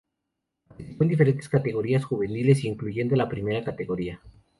Participó en diferentes categorías juveniles, incluyendo la Primera Categoría.